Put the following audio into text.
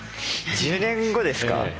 １０年後ですか？